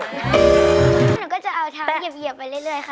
แล้วหนูก็จะเอาเท้าเหยียบไปเรื่อยค่ะ